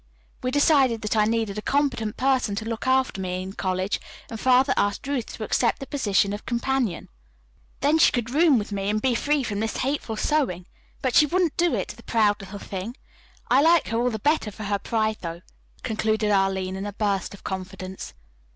We decided that I needed a competent person to look after me in college, and Father asked Ruth to accept the position of companion. Then she could room with me and be free from this hateful sewing. But she wouldn't do it, the proud little thing! I like her all the better for her pride, though," concluded Arline in a burst of confidence.